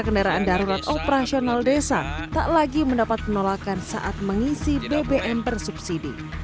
kendaraan darurat operasional desa tak lagi mendapat penolakan saat mengisi bbm bersubsidi